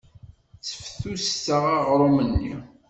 Sseftutseɣ aɣrum-nni.